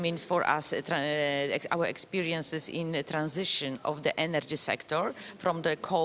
energi berarti pengalaman kami dalam perubahan sektor energi